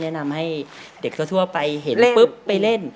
แนะนำให้เด็กทั่วไปเห็นปุ๊บไปเล่น